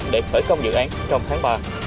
để khởi công dự án trong tháng ba